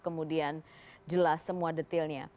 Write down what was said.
kemudian jelas semua detailnya